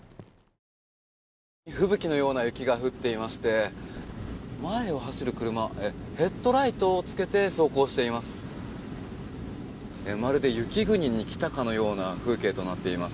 吹雪のような雪が降っていまして前を走る車ヘッドライトをつけて走行しています。